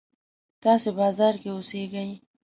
تاسې بازار کې اوسېږئ.